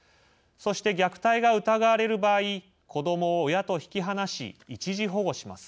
そして、虐待が疑われる場合子どもを親と引き離し一時保護します。